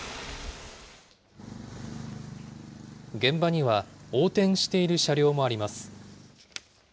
現場には横転している車両もあります。